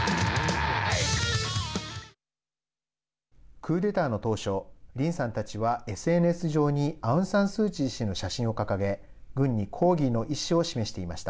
クーデターの当初リンさんたちはＳＮＳ上にアウン・サン・スー・チー氏の写真を掲げ、軍に抗議の意思を示していました。